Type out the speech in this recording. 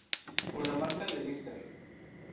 Con la marcha de Mr.